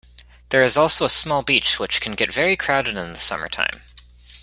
There is also a small beach which can get very crowded in the summertime.